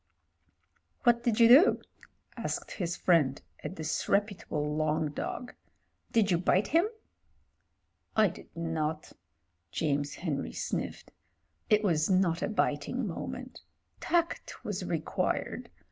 "What did you do?" asked his Friend, a disrepu table "long dog." "Did you bite him?" "I did not" James Henry sniffed. "It was not a biting moment. Tact was required.